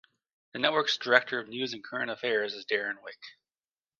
The network's Director of News and Current Affairs is Darren Wick.